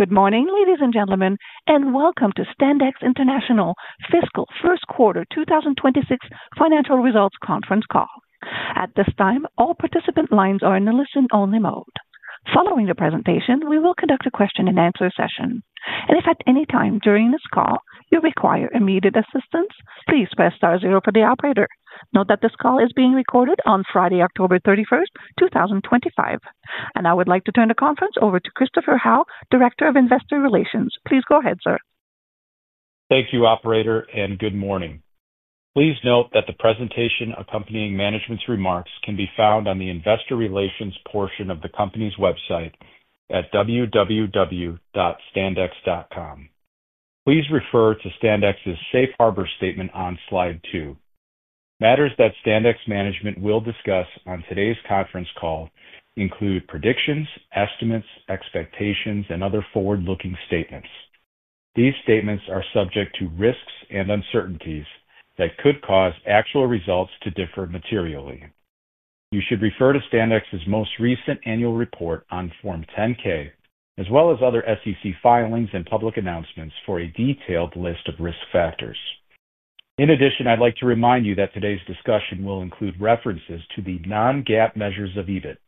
Good morning, ladies and gentlemen, and Welcome to Standex International fiscal first quarter 2026 financial results conference call. At this time, all participant lines are in a listen-only mode. Following the presentation, we will conduct a question-and-answer session. If at any time during this call you require immediate assistance, please press star zero for the operator. Note that this call is being recorded on Friday, October 31st, 2025. I would like to turn the conference over to Christopher Howe, Director of Investor Relations. Please go ahead, sir. Thank you, Operator, and good morning. Please note that the presentation accompanying management's remarks can be found on the Investor Relations portion of the company's website at www.standex.com. Please refer to Standex's safe harbor statement on slide two. Matters that Standex management will discuss on today's conference call include predictions, estimates, expectations, and other forward-looking statements. These statements are subject to risks and uncertainties that could cause actual results to differ materially. You should refer to Standex's most recent annual report on Form 10-K, as well as other SEC filings and public announcements, for a detailed list of risk factors. In addition, I'd like to remind you that today's discussion will include references to the non-GAAP measures of EBIT,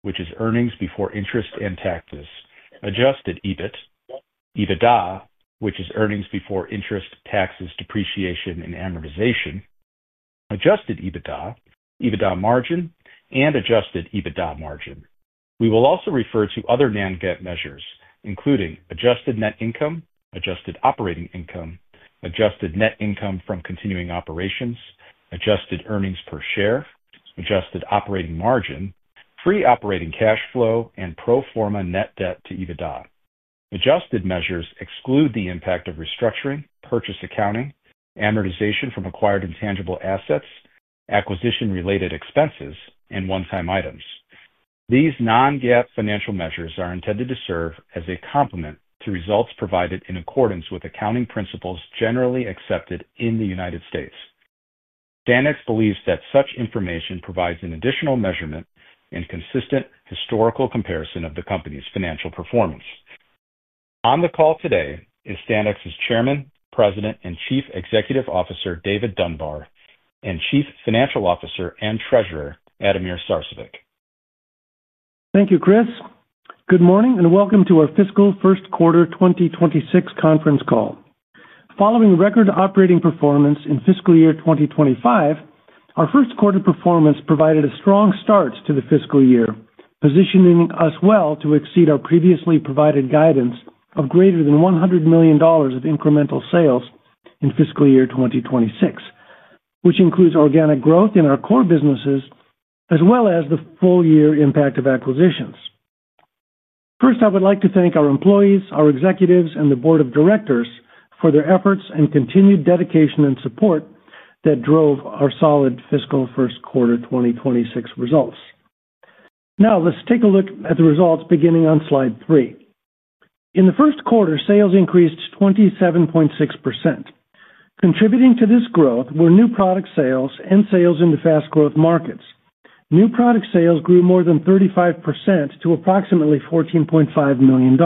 which is Earnings Before Interest and Taxes, Adjusted EBIT, EBITDA, which is Earnings Before Interest, Taxes, Depreciation, and Amortization, Adjusted EBITDA, EBITDA Margin, and Adjusted EBITDA Margin. We will also refer to other non-GAAP measures, including Adjusted Net Income, Adjusted Operating Income, Adjusted Net Income from Continuing Operations, Adjusted Earnings Per Share, Adjusted Operating Margin, Free Operating Cash Flow, and Proforma Net Debt to EBITDA. Adjusted measures exclude the impact of restructuring, purchase accounting, amortization from acquired intangible assets, acquisition-related expenses, and one-time items. These non-GAAP financial measures are intended to serve as a complement to results provided in accordance with accounting principles generally accepted in the United States. Standex believes that such information provides an additional measurement and consistent historical comparison of the company's financial performance. On the call today is Standex's Chairman, President, and Chief Executive Officer David Dunbar, and Chief Financial Officer and Treasurer Ademir Sarcevic. Thank you, Chris. Good morning and Welcome to our fiscal first quarter 2026 conference call. Following record operating performance in fiscal year 2025, our first quarter performance provided a strong start to the fiscal year, positioning us well to exceed our previously provided guidance of greater than $100 million of incremental sales in fiscal year 2026, which includes organic growth in our core businesses as well as the full-year impact of acquisitions. First, I would like to thank our employees, our executives, and the board of directors for their efforts and continued dedication and support that drove our solid fiscal first quarter 2026 results. Now, let's take a look at the results beginning on slide three. In the first quarter, sales increased 27.6%. Contributing to this growth were new product sales and sales into fast-growth markets. New product sales grew more than 35% to approximately $14.5 million.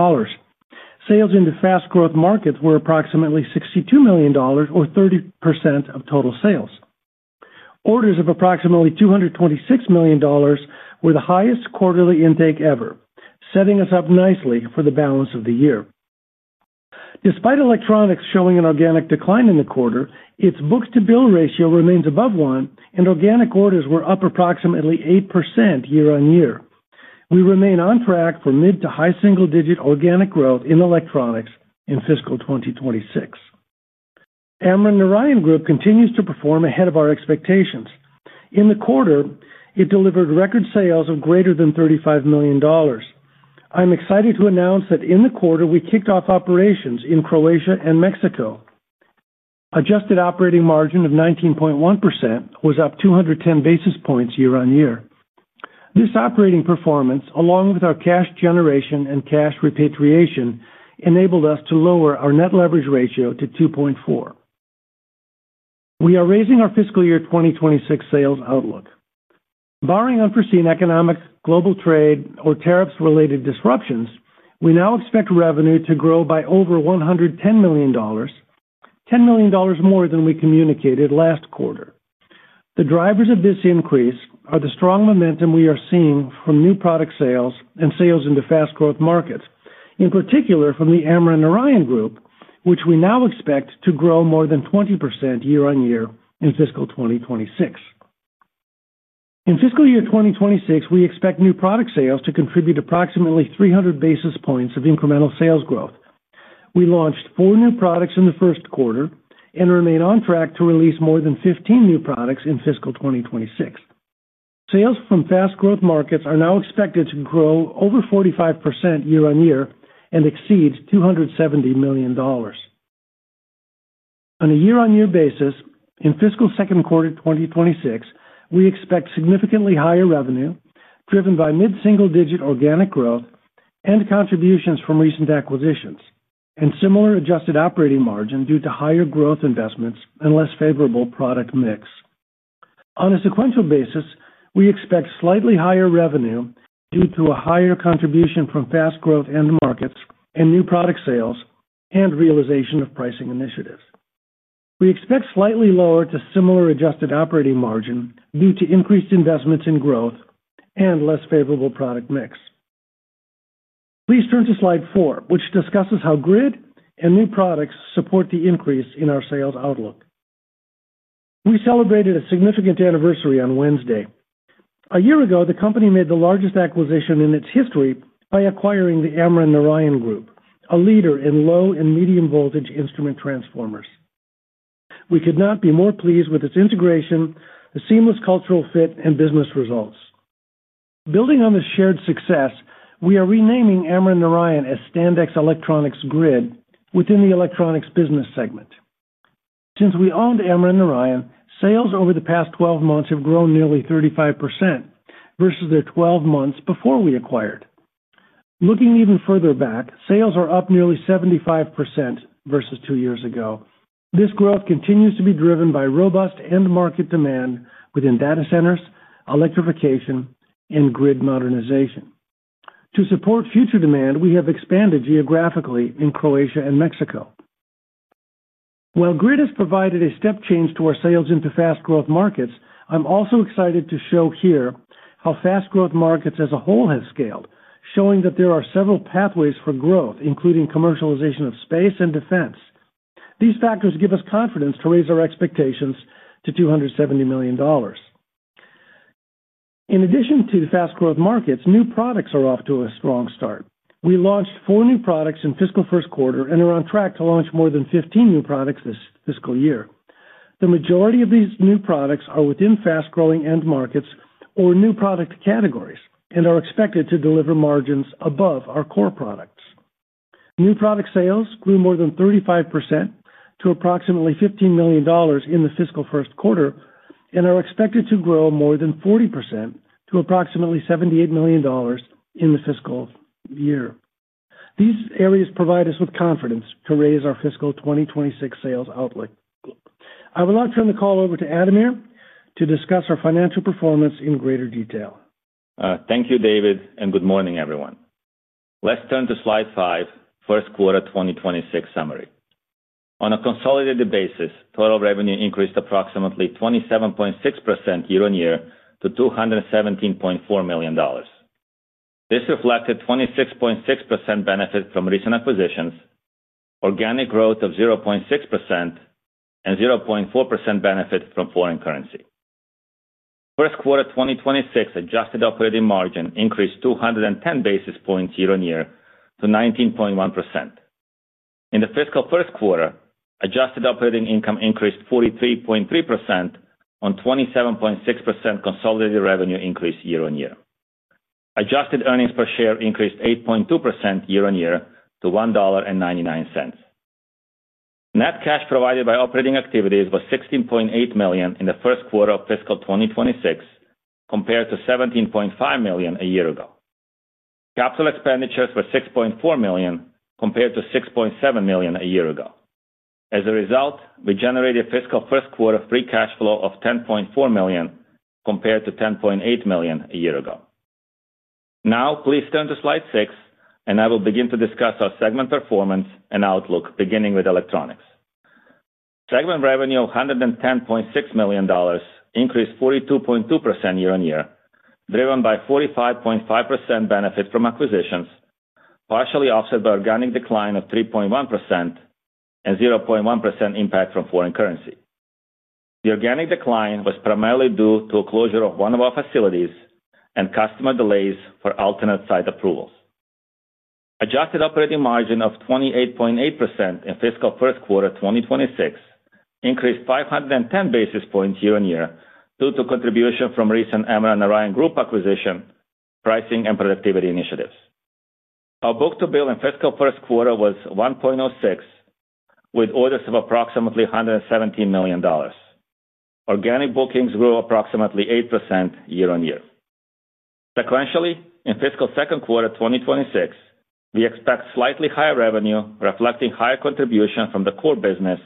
Sales into fast-growth markets were approximately $62 million, or 30% of total sales. Orders of approximately $226 million were the highest quarterly intake ever, setting us up nicely for the balance of the year. Despite electronics showing an organic decline in the quarter, its book-to-bill ratio remains above one, and organic orders were up approximately 8% year-on-year. We remain on track for mid to high single-digit organic growth in electronics in fiscal 2026. Amran/Narayan continues to perform ahead of our expectations. In the quarter, it delivered record sales of greater than $35 million. I'm excited to announce that in the quarter, we kicked off operations in Croatia and Mexico. Adjusted operating margin of 19.1% was up 210 basis points year-on-year. This operating performance, along with our cash generation and cash repatriation, enabled us to lower our net leverage ratio to 2.4. We are raising our fiscal Year 2026 sales outlook. Barring unforeseen economic, global trade, or tariffs-related disruptions, we now expect revenue to grow by over $110 million. $10 million more than we communicated last quarter. The drivers of this increase are the strong momentum we are seeing from new product sales and sales into fast-growth markets, in particular from the Amran/Narayan Group, which we now expect to grow more than 20% year-on-year in fiscal 2026. In fiscal Year 2026, we expect new product sales to contribute approximately 300 basis points of incremental sales growth. We launched four new products in the first quarter and remain on track to release more than 15 new products in fiscal 2026. Sales from fast-growth markets are now expected to grow over 45% year-on-year and exceed $270 million. On a year-on-year basis, in fiscal second quarter 2026, we expect significantly higher revenue driven by mid-single-digit organic growth and contributions from recent acquisitions and similar adjusted operating margin due to higher growth investments and less favorable product mix. On a sequential basis, we expect slightly higher revenue due to a higher contribution from fast-growth end markets and new product sales and realization of pricing initiatives. We expect slightly lower to similar adjusted operating margin due to increased investments in growth and less favorable product mix. Please turn to slide four, which discusses how grid and new products support the increase in our sales outlook. We celebrated a significant anniversary on Wednesday. A year ago, the company made the largest acquisition in its history by acquiring the Amran/Narayan Group, a leader in low and medium voltage instrument transformers. We could not be more pleased with its integration, the seamless cultural fit, and business results. Building on this shared success, we are renaming Amran/Narayan as Standex Electronics Grid within the electronics business segment. Since we owned Amran/Narayan, sales over the past 12 months have grown nearly 35% versus their 12 months before we acquired. Looking even further back, sales are up nearly 75% versus two years ago. This growth continues to be driven by robust end market demand within data centers, electrification, and grid modernization. To support future demand, we have expanded geographically in Croatia and Mexico. While grid has provided a step change to our sales into fast-growth markets, I'm also excited to show here how fast-growth markets as a whole have scaled, showing that there are several pathways for growth, including commercialization of space and defense. These factors give us confidence to raise our expectations to $270 million. In addition to fast-growth markets, new products are off to a strong start. We launched four new products in fiscal First Quarter and are on track to launch more than 15 new products this fiscal year. The majority of these new products are within fast-growing end markets or new product categories and are expected to deliver margins above our core products. New product sales grew more than 35% to approximately $15 million in the fiscal first quarter and are expected to grow more than 40% to approximately $78 million in the fiscal year. These areas provide us with confidence to raise our fiscal 2026 sales outlook. I would like to turn the call over to Ademir Sarcevic to discuss our financial performance in greater detail. Thank you, David, and good morning, everyone. Let's turn to slide five, first quarter 2026 summary. On a consolidated basis, total revenue increased approximately 27.6% year-on-year to $217.4 million. This reflected 26.6% benefit from recent acquisitions, organic growth of 0.6%, and 0.4% benefit from foreign currency. First Quarter 2026 adjusted operating margin increased 210 basis points year-on-year to 19.1%. In the fiscal first quarter, adjusted operating income increased 43.3% on 27.6% consolidated revenue increase year-on-year. Adjusted earnings per share increased 8.2% year-on-year to $1.99. Net cash provided by operating activities was $16.8 million in the first quarter of fiscal 2026, compared to $17.5 million a year ago. Capital expenditures were $6.4 million compared to $6.7 million a year ago. As a result, we generated fiscal first quarter free cash flow of $10.4 million compared to $10.8 million a year ago. Now, please turn to slide six, and I will begin to discuss our segment performance and outlook, beginning with electronics. Segment revenue of $110.6 million increased 42.2% year-on-year, driven by 45.5% benefit from acquisitions, partially offset by organic decline of 3.1%, and 0.1% impact from foreign currency. The organic decline was primarily due to a closure of one of our facilities and customer delays for alternate site approvals. Adjusted operating margin of 28.8% in fiscal first quarter 2026 increased 510 basis points year-on-year due to contribution from recent Amran/Narayan Group acquisition, pricing, and productivity initiatives. Our book-to-bill in fiscal first q`uarter was 1.06, with orders of approximately $117 million. Organic bookings grew approximately 8% year-on-year. Sequentially, in fiscal second quarter 2026, we expect slightly higher revenue, reflecting higher contribution from the core business,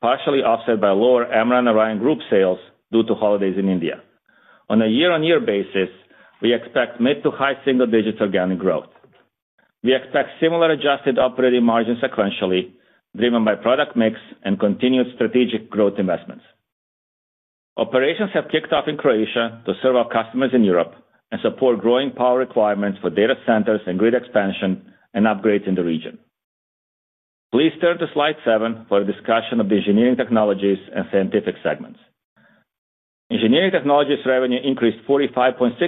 partially offset by lower Amran/Narayan Group sales due to holidays in India. On a year-on-year basis, we expect mid to high single-digit organic growth. We expect similar adjusted operating margin sequentially, driven by product mix and continued strategic growth investments. Operations have kicked off in Croatia to serve our customers in Europe and support growing power requirements for data centers and grid expansion and upgrades in the region. Please turn to slide seven for a discussion of the engineering technologies and scientific segments. Engineering technologies revenue increased 45.6%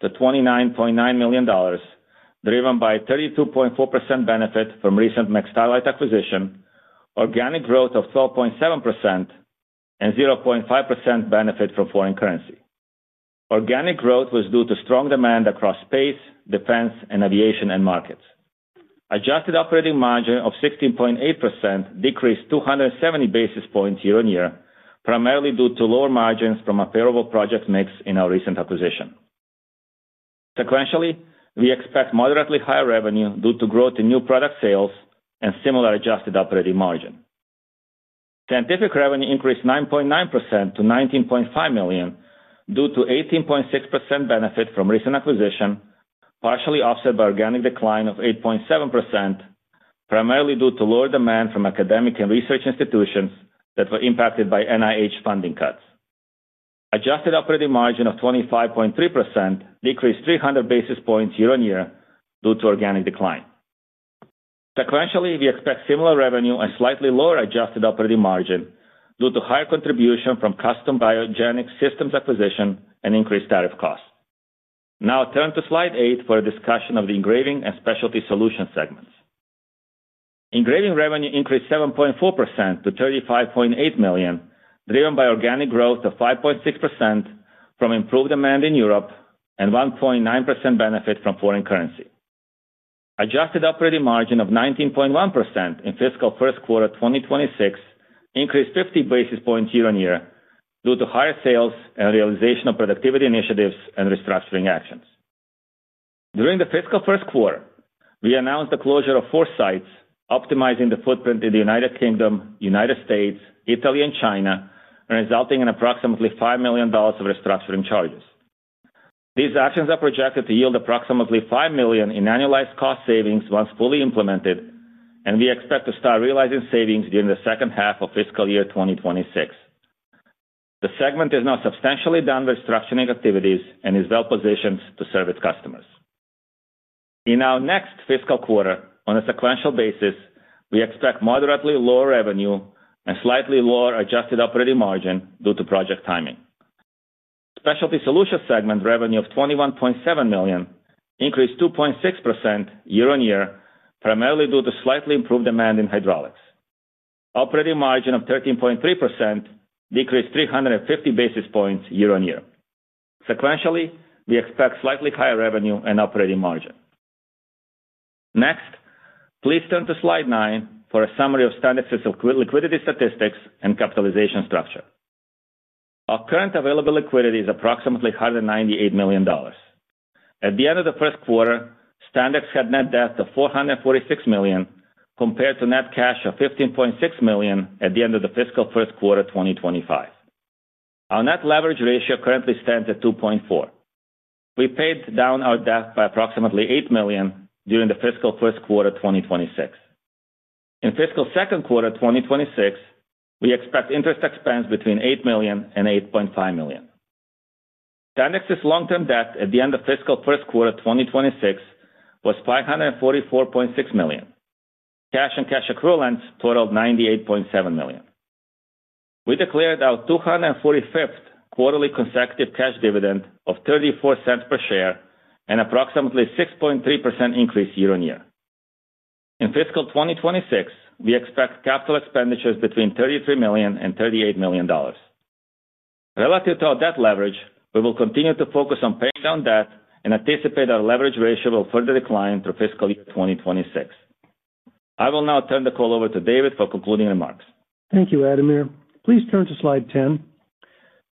to $29.9 million, driven by a 32.4% benefit from the recent McStarlite acquisition, organic growth of 12.7%, and a 0.5% benefit from foreign currency. Organic growth was due to strong demand across space, defense, and aviation end markets. Adjusted operating margin of 16.8% decreased 270 basis points year-on-year, primarily due to lower margins from a payable project mix in our recent acquisition. Sequentially, we expect moderately higher revenue due to growth in new product sales and a similar adjusted operating margin. Scientific revenue increased 9.9% to $19.5 million due to an 18.6% benefit from a recent acquisition, partially offset by an organic decline of 8.7%, primarily due to lower demand from academic and research institutions that were impacted by NIH funding cuts. Adjusted operating margin of 25.3% decreased 300 basis points year-on-year due to the organic decline. Sequentially, we expect similar revenue and a slightly lower adjusted operating margin due to a higher contribution from the Custom Biogenic Systems acquisition and increased tariff costs. Now, turn to slide eight for a discussion of the engraving and specialty solution segments. Engraving revenue increased 7.4% to $35.8 million, driven by organic growth of 5.6% from improved demand in Europe and a 1.9% benefit from foreign currency. Adjusted operating margin of 19.1% in the fiscal first quarter 2026 increased 50 basis points year-on-year due to higher sales and realization of productivity initiatives and restructuring actions. During the fiscal first quarter, we announced the closure of four sites, optimizing the footprint in the United Kingdom, United States, Italy, and China, resulting in approximately $5 million of restructuring charges. These actions are projected to yield approximately $5 million in annualized cost savings once fully implemented, and we expect to start realizing savings during the second half of fiscal year 2026. The segment is now substantially done with restructuring activities and is well-positioned to serve its customers. In our next fiscal quarter, on a sequential basis, we expect moderately lower revenue and a slightly lower adjusted operating margin due to project timing. Specialty solution segment revenue of $21.7 million increased 2.6% year-on-year, primarily due to slightly improved demand in Hydraulics. Operating margin of 13.3% decreased 350 basis points year-on-year. Sequentially, we expect slightly higher revenue and operating margin. Next, please turn to slide nine for a summary of Standex's liquidity statistics and capitalization structure. Our current available liquidity is approximately $198 million. At the end of the first quarter, Standex had net debt of $446 million compared to net cash of $15.6 million at the end of the fiscal first quarter 2025. Our net leverage ratio currently stands at 2.4. We paid down our debt by approximately $8 million during the fiscal first quarter 2026. In fiscal second quarter 2026, we expect interest expense between $8 million and $8.5 million. Standex's long-term debt at the end of fiscal first quarter 2026 was $544.6 million. Cash and cash accrual totaled $98.7 million. We declared our 245th quarterly consecutive cash dividend of $0.34 per share and approximately 6.3% increase year-on-year. In fiscal 2026, we expect capital expenditures between $33 million and $38 million. Relative to our debt leverage, we will continue to focus on paying down debt and anticipate our leverage ratio will further decline through fiscal year 2026. I will now turn the call over to David for concluding remarks. Thank you, Ademir. Please turn to slide 10.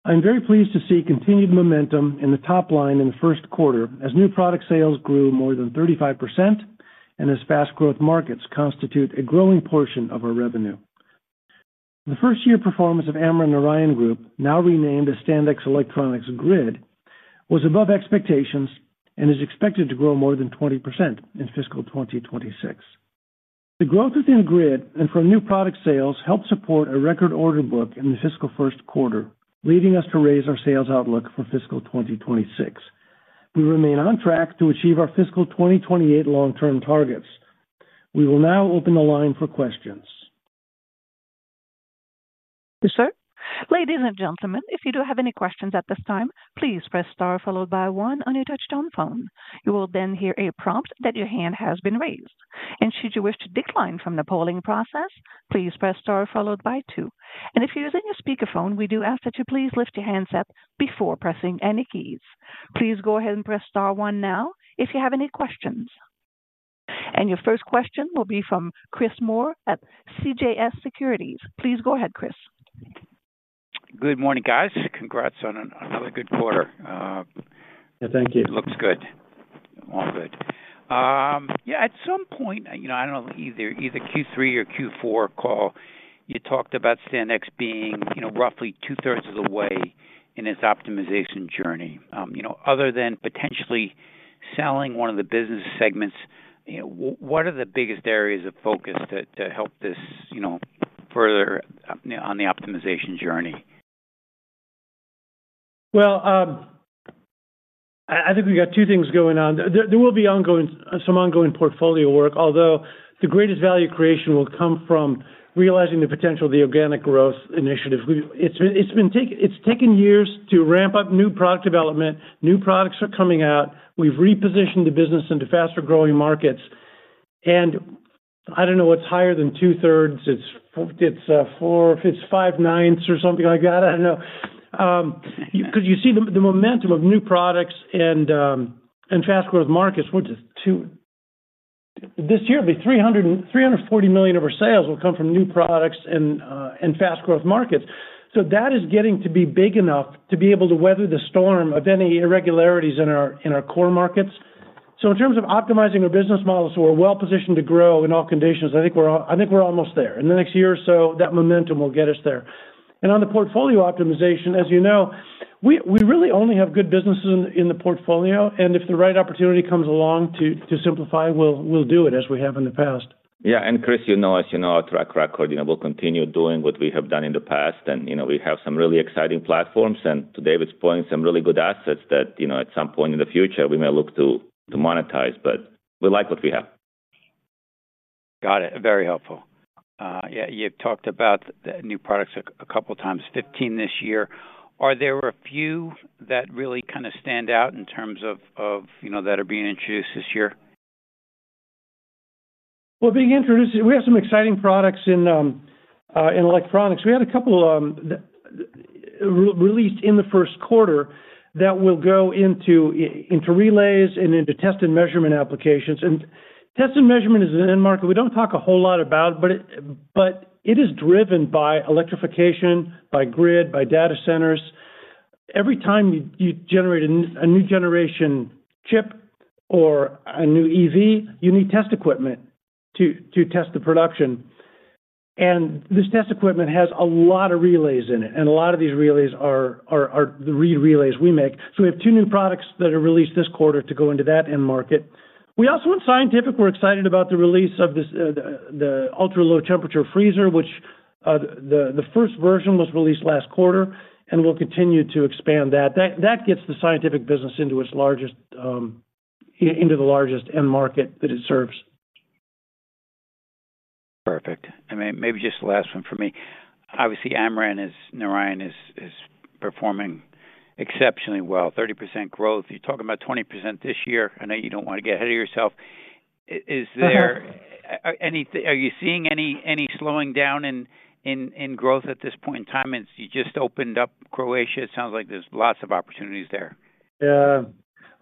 I'm very pleased to see continued momentum in the top line in the first quarter as new product sales grew more than 35% and as fast-growth markets constitute a growing portion of our revenue. The first-year performance of Amran/Narayan Group, now renamed as Standex Electronics Grid, was above expectations and is expected to grow more than 20% in fiscal 2026. The growth within Grid and from new product sales helped support a record order book in the fiscal first quarter, leading us to raise our sales outlook for fiscal 2026. We remain on track to achieve our fiscal 2028 long-term targets. We will now open the line for questions. Yes, sir. Ladies and gentlemen, if you do have any questions at this time, please press star followed by one on your touch-tone phone. You will then hear a prompt that your hand has been raised. Should you wish to decline from the polling process, please press star followed by two. If you're using your speakerphone, we do ask that you please lift your handset before pressing any keys. Please go ahead and press star one now if you have any questions. Your first question will be from Chris Moore at CJS Securities. Please go ahead, Chris. Good morning, guys. Congrats on another good quarter. Yeah, thank you. Looks good. All good. At some point, I don't know, either Q3 or Q4 call, you talked about Standex being roughly two-thirds of the way in its optimization journey. Other than potentially selling one of the business segments, what are the biggest areas of focus to help this further on the optimization journey? I think we've got two things going on. There will be some ongoing portfolio work, although the greatest value creation will come from realizing the potential of the organic growth initiative. It's taken years to ramp up new product development. New products are coming out. We've repositioned the business into faster-growing markets. I don't know what's higher than two-thirds. It's five-ninths or something like that. I don't know. You see the momentum of new products and fast-growth markets. This year, $340 million of our sales will come from new products and fast-growth markets. That is getting to be big enough to be able to weather the storm of any irregularities in our core markets. In terms of optimizing our business models so we're well-positioned to grow in all conditions, I think we're almost there. In the next year or so, that momentum will get us there. On the portfolio optimization, as you know, we really only have good businesses in the portfolio. If the right opportunity comes along to simplify, we'll do it as we have in the past. Yeah. Chris, you know us. You know our track record. We will continue doing what we have done in the past. We have some really exciting platforms and, to David's point, some really good assets that at some point in the future, we may look to monetize. We like what we have. Got it. Very helpful. Yeah, you've talked about new products a couple of times, 15 this year. Are there a few that really kind of stand out in terms of that are being introduced this year? We have some exciting products in electronics. We had a couple released in the first quarter that will go into relays and into test and measurement applications. Test and measurement is an end market we don't talk a whole lot about, but it is driven by electrification, by grid, by data centers. Every time you generate a new generation chip or a new EV, you need test equipment to test the production. This test equipment has a lot of relays in it, and a lot of these relays are the reed eelays we make. We have two new products that are released this quarter to go into that end market. We also went scientific. We're excited about the release of the ultra-low temperature freezer, which the first version was released last quarter, and we'll continue to expand that. That gets the scientific business into the largest end market that it serves. Perfect. Maybe just the last one for me. Amran/Narayan is performing exceptionally well. 30% growth. You're talking about 20% this year. I know you don't want to get ahead of yourself. Is there, are you seeing any slowing down in growth at this point in time? You just opened up Croatia. It sounds like there's lots of opportunities there. Yeah.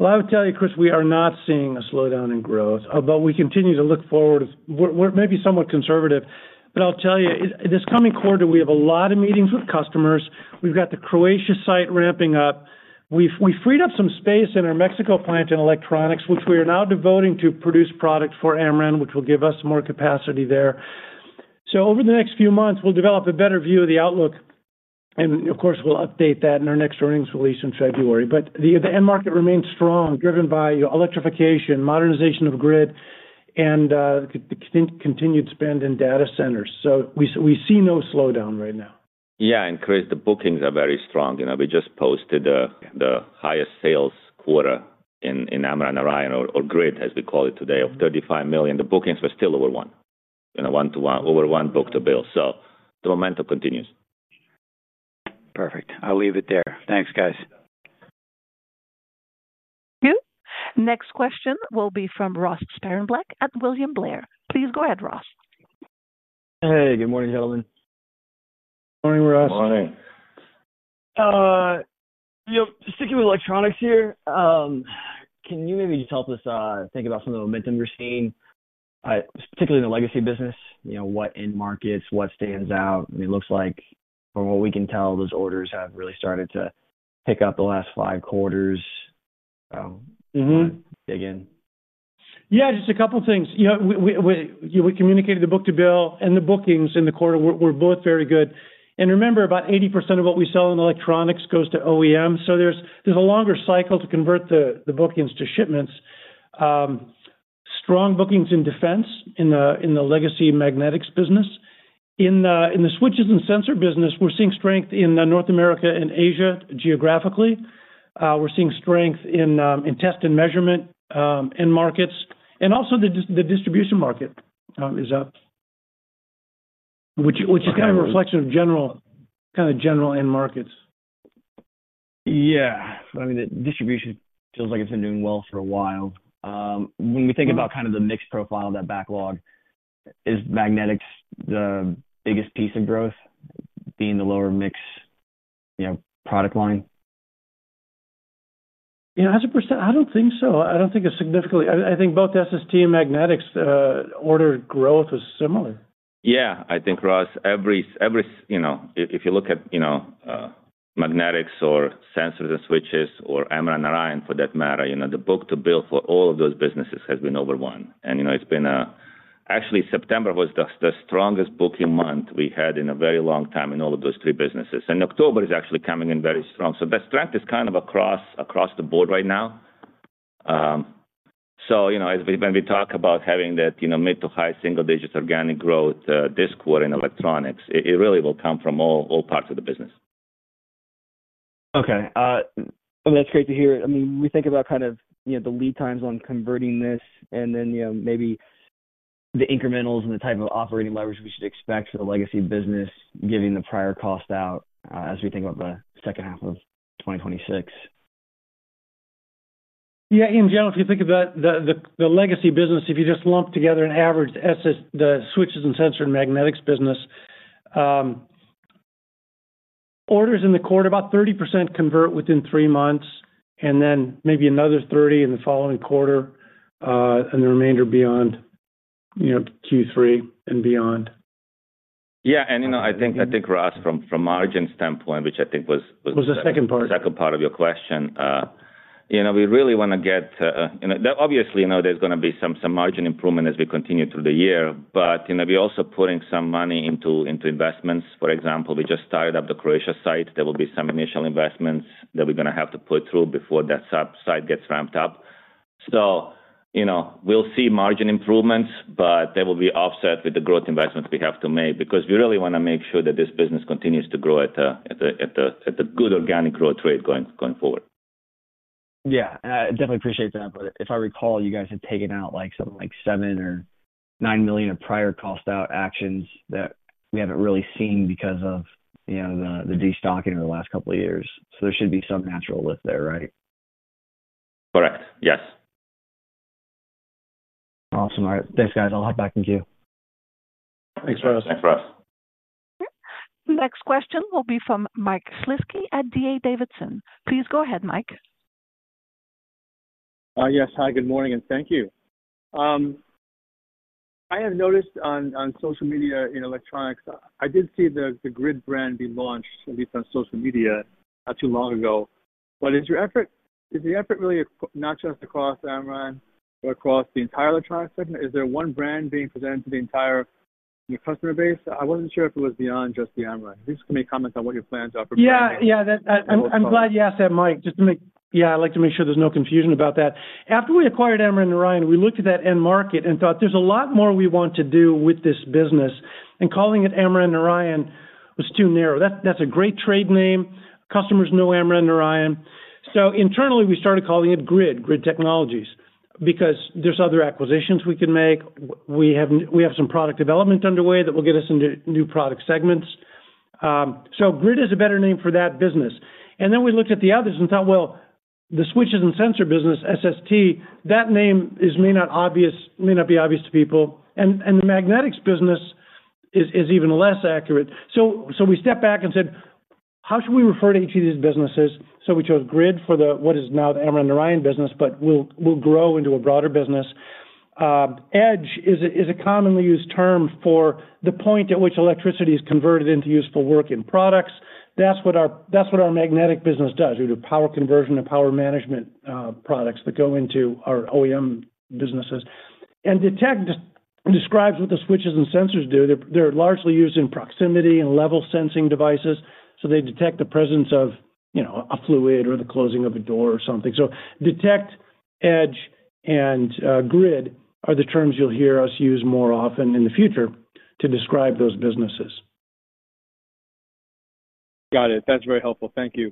I would tell you, Chris, we are not seeing a slowdown in growth, but we continue to look forward. We're maybe somewhat conservative. I'll tell you, this coming quarter, we have a lot of meetings with customers. We've got the Croatia site ramping up. We freed up some space in our Mexico plant in electronics, which we are now devoting to produce product for Amran, which will give us more capacity there. Over the next few months, we'll develop a better view of the outlook. Of course, we'll update that in our next earnings release in February. The end market remains strong, driven by electrification, grid modernization, and continued spend in data center markets. We see no slowdown right now. Yeah. Chris, the bookings are very strong. We just posted the highest sales quarter in Amran/Narayan, as we call it today, of $35 million. The bookings were still over one to one, over one book to bill. The momentum continues. Perfect. I'll leave it there. Thanks, guys. Thank you. Next question will be from Ross Sparenblek at William Blair. Please go ahead, Ross. Hey, good morning, gentlemen. Morning, Ross. Morning. Sticking with electronics here. Can you maybe just help us think about some of the momentum we're seeing, particularly in the legacy business? What end markets, what stands out? I mean, it looks like, from what we can tell, those orders have really started to pick up the last five quarters. Dig in. Yeah, just a couple of things. We communicated the book to bill, and the bookings in the quarter were both very good. Remember, about 80% of what we sell in electronics goes to OEM. There's a longer cycle to convert the bookings to shipments. Strong bookings in defense in the legacy magnetics business. In the switches and sensor business, we're seeing strength in North America and Asia geographically. We're seeing strength in test and measurement end markets, and also, the distribution market is up, which is kind of a reflection of kind of general end markets. Yeah. I mean, the distribution feels like it's been doing well for a while. When we think about kind of the mixed profile of that backlog, is magnetics the biggest piece of growth, being the lower mix product line? 100%. I don't think so. I don't think it's significantly. I think both SST and magnetics order growth was similar. Yeah. I think, Ross, if you look at magnetics or sensors and switches or Amran/Narayan, for that matter, the book to bill for all of those businesses has been over one. It's been actually September was the strongest booking month we had in a very long time in all of those three businesses. October is actually coming in very strong. The strength is kind of across the board right now. When we talk about having that mid to high single-digit organic growth this quarter in electronics, it really will come from all parts of the business. Okay, that's great to hear. We think about kind of the lead times on converting this and then maybe the incrementals and the type of operating leverage we should expect for the legacy business, giving the prior cost out as we think about the second half of 2026. Yeah. In general, if you think about the legacy business, if you just lump together and average the switches and sensor and magnetics business, orders in the quarter, about 30% convert within three months, and then maybe another 30% in the following quarter. The remainder beyond. Q3 and beyond. I think, Ross, from a margin standpoint, which I think was. Was the second part. The second part of your question. We really want to get obviously, there's going to be some margin improvement as we continue through the year. We're also putting some money into investments. For example, we just started up the Croatia site. There will be some initial investments that we're going to have to put through before that site gets ramped up. We'll see margin improvements, but there will be offset with the growth investments we have to make because we really want to make sure that this business continues to grow at a good organic growth rate going forward. Yeah, I definitely appreciate that. If I recall, you guys had taken out something like $7 million or $9 million of prior cost-out actions that we haven't really seen because of the destocking over the last couple of years. There should be some natural lift there, right? Correct. Yes. Awesome. All right, thanks, guys. I'll hop back in here. Thanks, Ross. Thanks, Ross. Next question will be from Mike Shlisky at D.A. Davidson. Please go ahead, Mike. Yes. Hi, good morning, and thank you. I have noticed on social media in electronics, I did see the Grid brand be launched, at least on social media, not too long ago. Is the effort really not just across Amran or across the entire electronics segment? Is there one brand being presented to the entire customer base? I wasn't sure if it was beyond just the Amran. If you just can make comments on what your plans are for. Yeah. I'm glad you asked that, Mike. I'd like to make sure there's no confusion about that. After we Amran/Narayan, we looked at that end market and thought there's a lot more we want to do with this business. Calling it Amran/Narayan was too narrow. That's a great trade name. Customers know Amran/Narayan. Internally, we started calling it Grid, Grid Technologies, because there are other acquisitions we can make. We have some product development underway that will get us into new product segments. Grid is a better name for that business. We looked at the others and thought, the switches and sensor business, SST, that name may not be obvious to people. The magnetics business is even less accurate. We stepped back and said, how should we refer to each of these businesses? We chose Grid for what is now the Amran/Narayan business, but it will grow into a broader business. Edge is a commonly used term for the point at which electricity is converted into useful work in products. That's what our magnetics business does. We do power conversion and power management products that go into our OEM businesses. Detect describes what the switches and sensors do. They're largely used in proximity and level sensing devices. They detect the presence of a fluid or the closing of a door or something. Detect, Edge, and Grid are the terms you'll hear us use more often in the future to describe those businesses. Got it. That's very helpful. Thank you.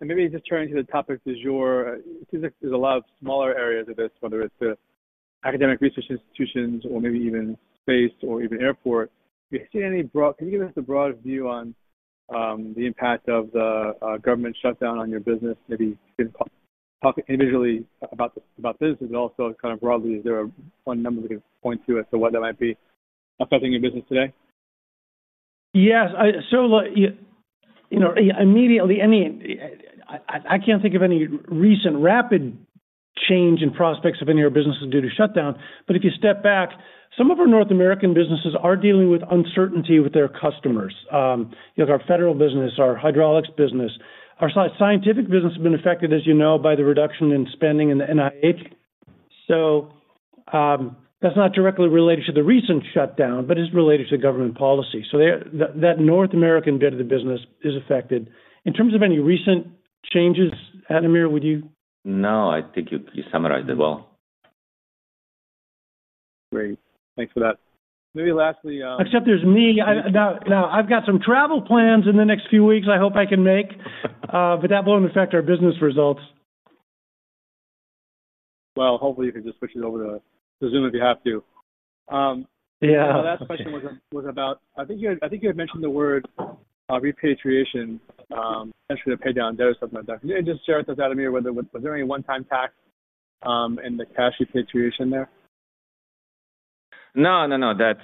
Maybe just turning to the topic of [Azure], it seems like there's a lot of smaller areas of this, whether it's the academic research institutions or maybe even space or even airport. Can you give us a broad view on the impact of the government shutdown on your business? Maybe you can talk individually about businesses, but also kind of broadly, is there one number we can point to as to what that might be affecting your business today? Yes. Immediately, I can't think of any recent rapid change in prospects of any of our businesses due to shutdown. If you step back, some of our North American businesses are dealing with uncertainty with their customers. Our federal business, our Hydraulics business, our Scientific business have been affected, as you know, by the reduction in spending in the NIH. That's not directly related to the recent shutdown, but it's related to government policy. That North American bit of the business is affected. In terms of any recent changes, Ademir, would you? No. I think you summarized it well. Great. Thanks for that. Maybe lastly. Except there's me. I've got some travel plans in the next few weeks I hope I can make. That won't affect our business results. Hopefully, you can just switch it over to Zoom if you have to. Yeah. Last question was about, I think you had mentioned the word repatriation. Essentially, a pay-down debt or something like that. Can you just share with us, Ademir, was there any one-time tax in the cash repatriation there? No, there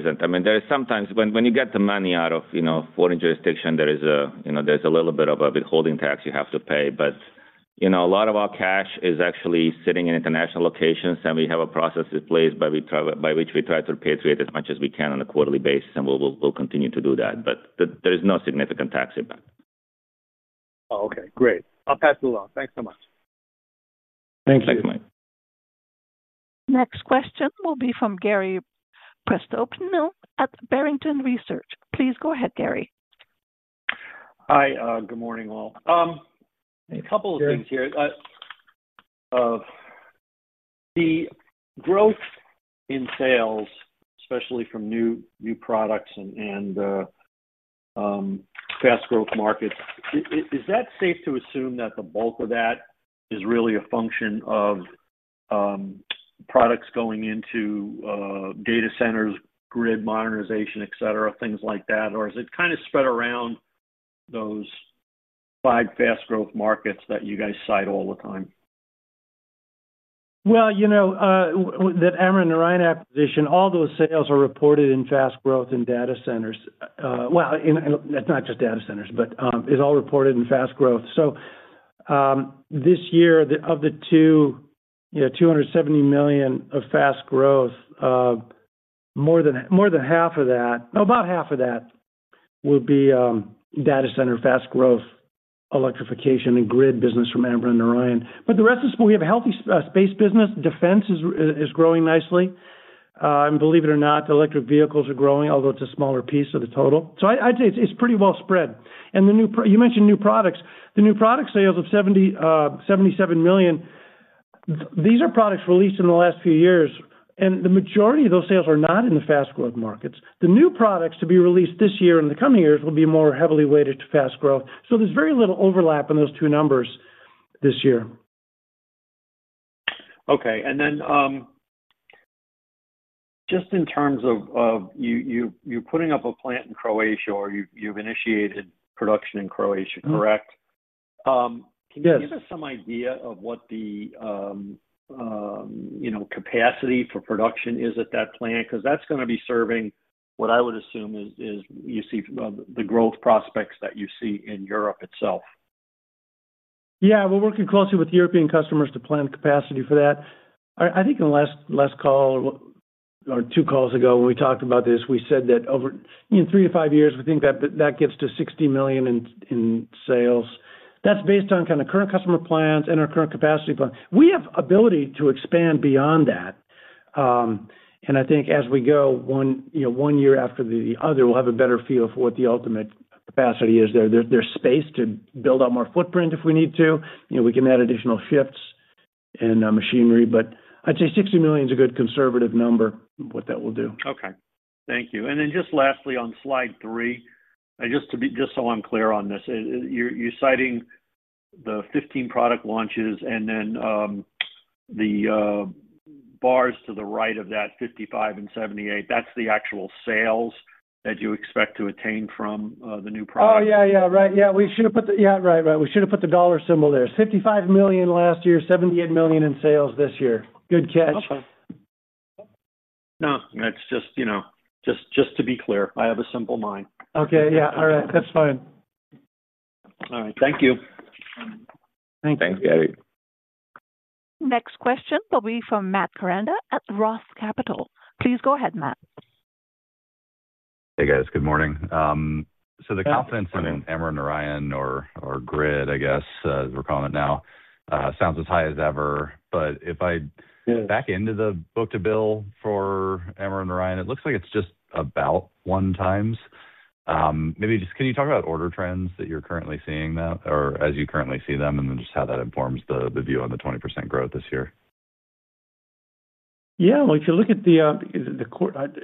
isn't. I mean, sometimes when you get the money out of a foreign jurisdiction, there's a little bit of a withholding tax you have to pay. A lot of our cash is actually sitting in international locations, and we have a process in place by which we try to repatriate as much as we can on a quarterly basis. We'll continue to do that. There is no significant tax event. Okay. Great. I'll pass it along. Thanks so much. Thank you Mike. Next question will be from Gary Prestopino at Barrington Research. Please go ahead, Gary. Hi. Good morning, all. A couple of things here. The growth in sales, especially from new products and fast-growth markets, is that safe to assume that the bulk of that is really a function of products going into data centers, grid modernization, etc., things like that? Or is it kind of spread around those five fast-growth markets that you guys cite all the time? The Amran/Narayan acquisition, all those sales are reported in fast growth in data center markets. It's not just data center markets, but it's all reported in fast growth. This year, of the $270 million of fast growth, more than half of that, about half of that, will be data center, fast growth, electrification, and grid business from Amran/Narayan. The rest of the business, we have a healthy space business. Defense is growing nicely, and believe it or not, electric vehicles are growing, although it's a smaller piece of the total. I'd say it's pretty well spread. You mentioned new products. The new product sales of $77 million, these are products released in the last few years, and the majority of those sales are not in the fast-growth markets. The new products to be released this year and the coming years will be more heavily weighted to fast growth. There's very little overlap in those two numbers this year. Okay. In terms of you're putting up a plant in Croatia, or you've initiated production in Croatia, correct? Yes. Can you give us some idea of what the capacity for production is at that plant? Because that's going to be serving what I would assume is the growth prospects that you see in Europe itself. Yeah. We're working closely with European customers to plan capacity for that. I think in the last call or two calls ago when we talked about this, we said that over three to five years, we think that gets to $60 million in sales. That's based on kind of current customer plans and our current capacity plan. We have the ability to expand beyond that. I think as we go, one year after the other, we'll have a better feel for what the ultimate capacity is. There's space to build out more footprint if we need to. We can add additional shifts in machinery. I'd say $60 million is a good conservative number, what that will do. Okay. Thank you. Lastly, on slide three, just so I'm clear on this, you're citing the 15 product launches. The bars to the right of that, 55 and 78, that's the actual sales that you expect to attain from the new product? Right. We should have put the dollar symbol there. It's $55 million last year, $78 million in sales this year. Good catch. Okay, no, that's just to be clear. I have a simple mind. Okay, yeah. All right, that's fine. All right, thank you. Thanks, Gary. Next question will be from Matt Koranda at ROTH Capital. Please go ahead, Matt. Hey, guys. Good morning. The confidence in Amran/Narayan or Grid, I guess, as we're calling it now, sounds as high as ever. If I back into the book to bill for Amran/Narayan it looks like it's just about one times. Maybe just can you talk about order trends that you're currently seeing or as you currently see them, and then just how that informs the view on the 20% growth this year? Yeah. If you look at the.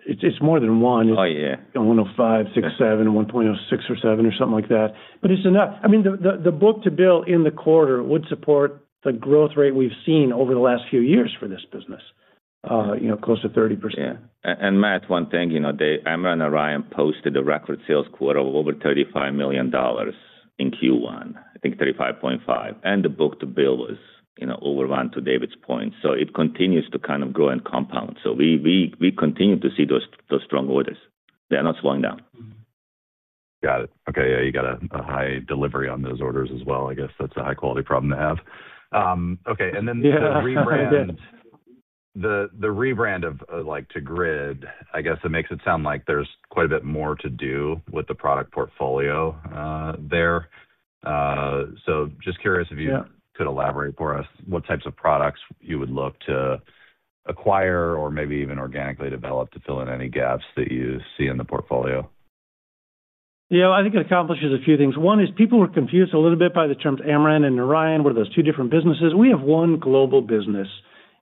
It's more than one. Oh, yeah. 105, 67, 1.06 or 7 or something like that. It's enough. I mean, the book to bill in the quarter would support the growth rate we've seen over the last few years for this business, close to 30%. Yeah. Matt, one Amran/Narayan group posted a record sales quarter of over $35 million in Q1, I think $35.5 million, and the book to bill was over, to David's point. It continues to kind of grow and compound. We continue to see those strong orders. They're not slowing down. Got it. Okay. You got a high delivery on those orders as well. I guess that's a high-quality problem to have. Okay. Yeah. The rebrand of to Grid, I guess it makes it sound like there's quite a bit more to do with the product portfolio there. Just curious if you could elaborate for us what types of products you would look to acquire or maybe even organically develop to fill in any gaps that you see in the portfolio. Yeah. I think it accomplishes a few things. One is people were confused a little bit by the terms Amran/Narayan of those two different businesses. We have one global business,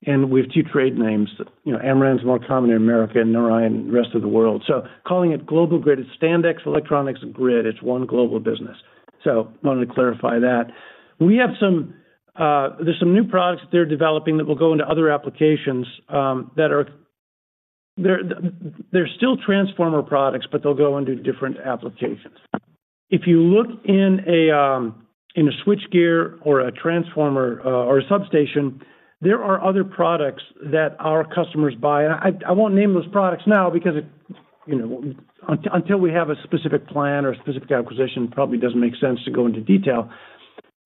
and we have two trade names. Amran's more common in America and Narayan in the rest of the world. Calling it global grid, it's Standex Electronics Grid. It's one global business. I wanted to clarify that. There are some new products that they're developing that will go into other applications. They're still transformer products, but they'll go into different applications. If you look in a switchgear or a transformer or a substation, there are other products that our customers buy. I won't name those products now because until we have a specific plan or a specific acquisition, it probably doesn't make sense to go into detail.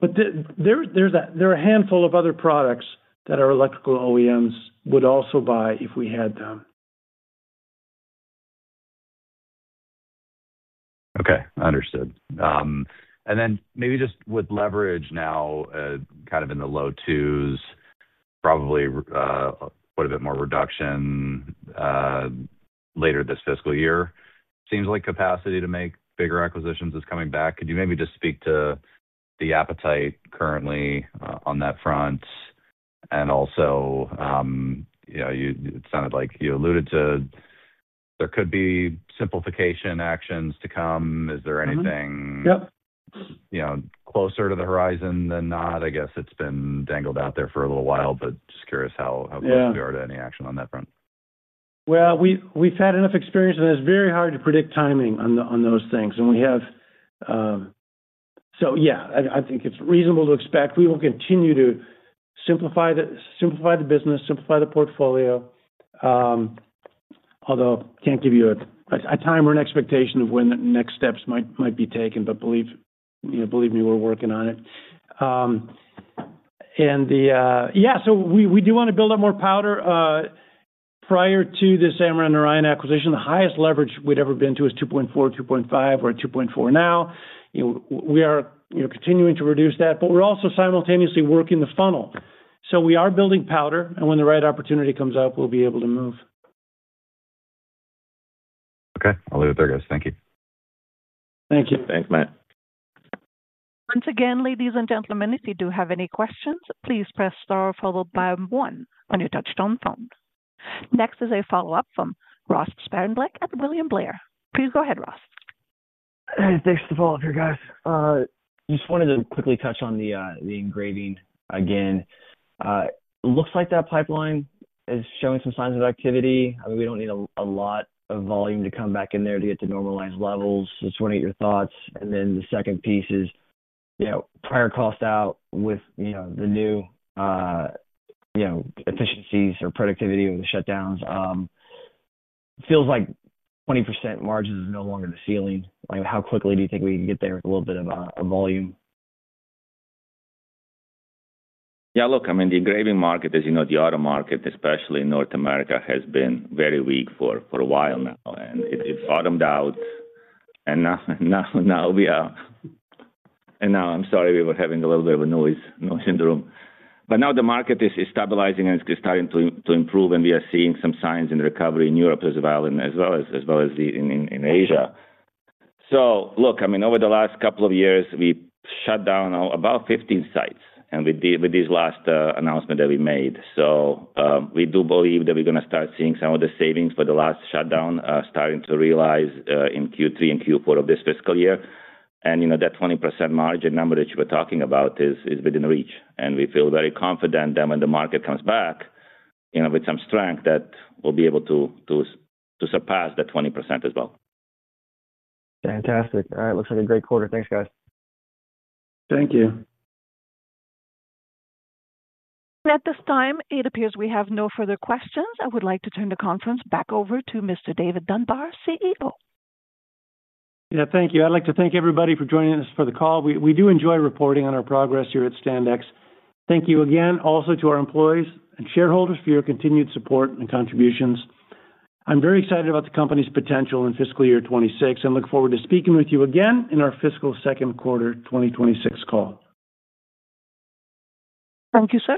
There are a handful of other products that our electrical OEMs would also buy if we had them. Okay. Understood. With leverage now kind of in the low twos, probably quite a bit more reduction later this fiscal year, it seems like capacity to make bigger acquisitions is coming back. Could you maybe just speak to the appetite currently on that front? It sounded like you alluded to there could be simplification actions to come. Is there anything? Yep. Closer to the horizon than not? I guess it's been dangled out there for a little while, but just curious how close we are to any action on that front. We have had enough experience, and it's very hard to predict timing on those things. I think it's reasonable to expect we will continue to simplify the business, simplify the portfolio. Although I can't give you a timer and expectation of when the next steps might be taken, believe me, we're working on it. We do want to build up more powder. Prior to Amran/Narayan acquisition, the highest leverage we'd ever been to is 2.4, 2.5, or 2.4 now. We are continuing to reduce that, but we're also simultaneously working the funnel. We are building powder, and when the right opportunity comes up, we'll be able to move. Okay, I'll leave it there, guys. Thank you. Thank you. Thanks, Matt. Once again, ladies and gentlemen, if you do have any questions, please press star followed by one when you touch your phone. Next is a follow-up from Ross Sparenblek at William Blair. Please go ahead, Ross. Thanks for the follow-up here, guys. Just wanted to quickly touch on the engraving again. Looks like that pipeline is showing some signs of activity. We don't need a lot of volume to come back in there to get to normalized levels. Just want to get your thoughts. The second piece is prior cost out with the new efficiencies or productivity with the shutdowns. Feels like 20% margin is no longer the ceiling. How quickly do you think we can get there with a little bit of volume? Yeah. Look, I mean, the engraving market, as you know, the auto market, especially in North America, has been very weak for a while now. It bottomed out. Now the market is stabilizing and is starting to improve. We are seeing some signs in recovery in Europe as well as in Asia. Over the last couple of years, we shut down about 15 sites with this last announcement that we made. We do believe that we're going to start seeing some of the savings for the last shutdown starting to realize in Q3 and Q4 of this fiscal year. That 20% margin number that you were talking about is within reach. We feel very confident that when the market comes back with some strength, we'll be able to surpass that 20% as well. Fantastic. All right, looks like a great quarter. Thanks, guys. Thank you. At this time, it appears we have no further questions. I would like to turn the conference back over to Mr. David Dunbar, CEO. Thank you. I'd like to thank everybody for joining us for the call. We do enjoy reporting on our progress here at Standex. Thank you again, also to our employees and shareholders for your continued support and contributions. I'm very excited about the company's potential in fiscal year 2026 and look forward to speaking with you again in our fiscal second quarter 2026 call. Thank you, sir.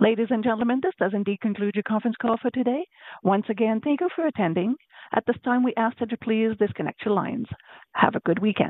Ladies and gentlemen, this does indeed conclude your conference call for today. Once again, thank you for attending. At this time, we ask that you please disconnect your lines. Have a good weekend.